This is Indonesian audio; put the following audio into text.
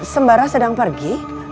sembara sedang pergi